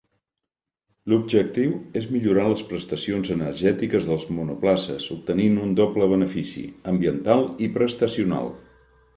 L'objectiu és millorar les prestacions energètiques dels monoplaces, obtenint un doble benefici, ambiental i prestacional.